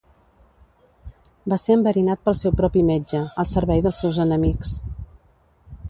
Va ser enverinat pel seu propi metge, al servei dels seus enemics.